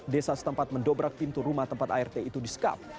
desa setempat mendobrak pintu rumah tempat art itu disekap